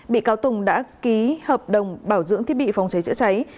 bị cáo tùng đã ký hợp đồng bảo dưỡng thiết bị phòng cháy chữa cháy